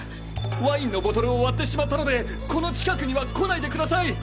ワインのボトルを割ってしまったのでこの近くには来ないでください！